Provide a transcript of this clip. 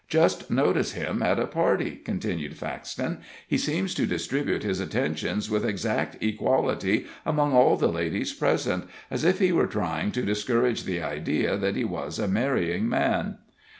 "Just notice him at a party," continued Faxton. "He seems to distribute his attentions with exact equality among all the ladies present, as if he were trying to discourage the idea that he was a marrying man."